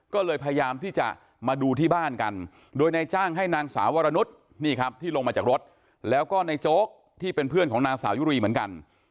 ก็เลยพยายามที่จะมาดูที่บ้านกันโดยนายจ้างให้นางสาววรนุษย์นี่ครับที่ลงมาจากรถแล้วก็ในโจ๊กที่เป็นเพื่อนของนางสาวยุรีเหมือนกัน